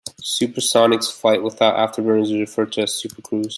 Supersonic flight without afterburners is referred to as supercruise.